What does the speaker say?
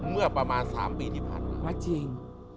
เมื่อประมาณ๓ปีที่ผ่านมาวัดจริง